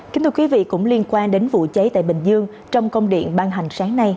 kính thưa quý vị cũng liên quan đến vụ cháy tại bình dương trong công điện ban hành sáng nay